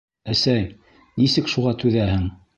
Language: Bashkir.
Әсәй, нисек шуға түҙәһең?